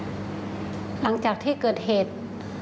หลังจากที่เกิดเหตุ